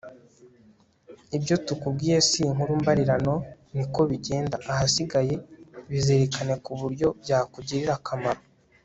ibyo tukubwiye si inkuru mbarirano, ni ko bigenda! ahasigaye, bizirikane, ku buryo byakugirira akamaro